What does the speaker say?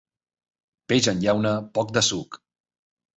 Peix en llauna, poc de suc.